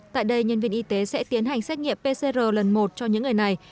tại đây nhân viên y tế sẽ tiến hành xét nghiệm pcr lần một cho những người này